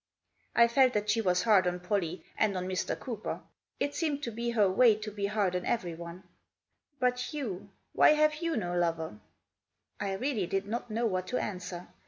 I felt that she was hard on Pollie, and on Mr. Cooper. It seemed to be her way to be hard on everyone. " But you — why have you no lover ?" I really did not know what to answer.